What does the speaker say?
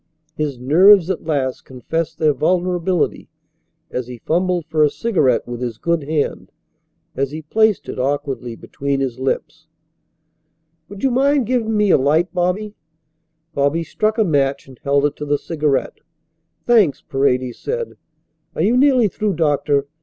His nerves at last confessed their vulnerability as he fumbled for a cigarette with his good hand, as he placed it awkwardly between his lips. "Would you mind giving me a light, Bobby?" Bobby struck a match and held it to the cigarette. "Thanks," Paredes said. "Are you nearly through, doctor?